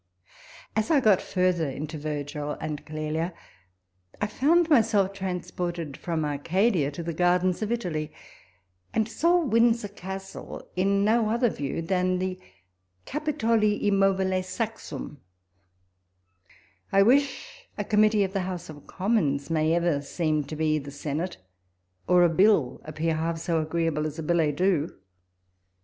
As I got further into Virgil and Clelia, I found myself transported from Arcadia to the garden of Italy ; and saw Windsor Castle in no other view than the Capitoli immobile saxum, I wish a committee of the House of Commons may ever seem to be the senate ; or a bill appear half so agreeable as a billet doux.